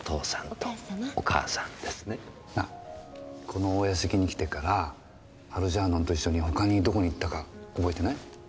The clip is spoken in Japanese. このお屋敷に来てからアルジャーノンと一緒に他にどこに行ったか覚えてない？